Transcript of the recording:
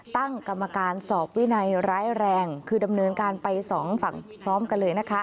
ตั้งกรรมการสอบวินัยร้ายแรงคือดำเนินการไปสองฝั่งพร้อมกันเลยนะคะ